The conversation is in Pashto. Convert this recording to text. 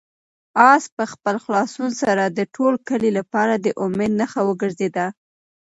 آس په خپل خلاصون سره د ټول کلي لپاره د امید نښه وګرځېده.